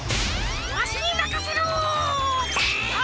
わしにまかせろっ！